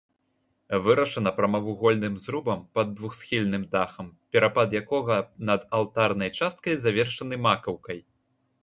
Вырашана прамавугольным зрубам пад двухсхільным дахам, перапад якога над алтарнай часткай завершаны макаўкай.